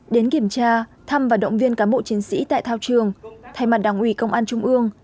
đến kiểm tra thăm và động viên cán bộ chiến sĩ tại thao trường thay mặt đảng ủy công an trung ương